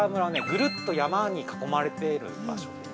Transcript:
ぐるっと山に囲まれている場所で。